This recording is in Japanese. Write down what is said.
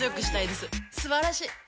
すばらしい！